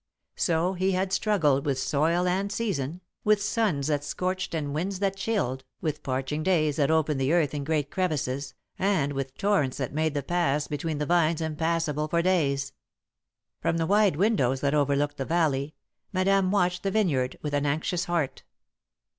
So he had struggled with soil and season, with suns that scorched and winds that chilled, with parching days that opened the earth in great crevices, and with torrents that made the paths between the vines impassable for days. From the wide windows that overlooked the valley, Madame watched the vineyard with an anxious heart.